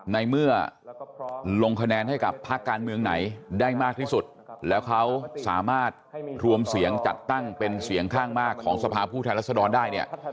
ในเมื่อลงคะแนนให้กับภาคการเมืองไหนได้มากที่สุดแล้วเขาสามารถรวมเสียงจัดตั้งเป็นเสียงข้างมากของสภาพผู้แทนรัศดรได้เนี่ย